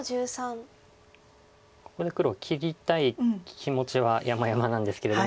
ここで黒切りたい気持ちはやまやまなんですけれども。